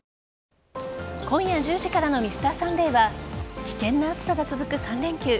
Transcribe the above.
今夜１０時からの「Ｍｒ．サンデー」は危険な暑さが続く３連休。